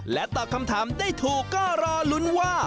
ตอบคำถามได้ถูกก็รอลุ้นว่า